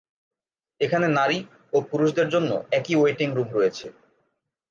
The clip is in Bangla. এখানে নারী ও পুরুষদের জন্য একই ওয়েটিং রুম রয়েছে।